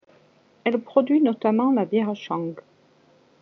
Elle produit notamment la bière Chang.